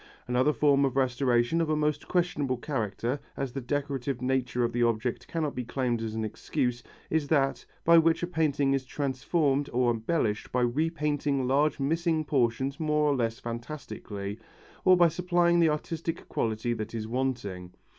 Another form of restoration of a most questionable character, as the decorative nature of the object cannot be claimed as an excuse, is that, by which a painting is transformed or embellished by repainting large missing portions more or less fantastically, or by supplying the artistic quality that is wanting.